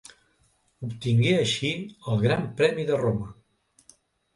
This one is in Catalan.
Obtingué així el gran premi de Roma.